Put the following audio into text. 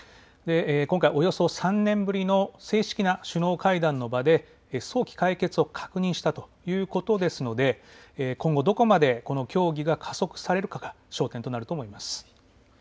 今回、およそ３年ぶりの正式な首脳会談の場で早期解決を確認したということですので、今後、どこまでこの協議が加速されるかが焦点となると思います。